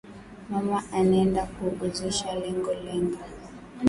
Mama anenda ku uzisha lenga lenga